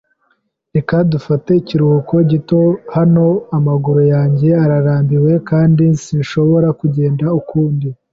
Reka dufate ikiruhuko gito hano. Amaguru yanjye ararambiwe kandi sinshobora kugenda ukundi.